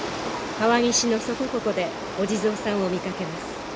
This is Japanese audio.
川岸のそこここでお地蔵さんを見かけます。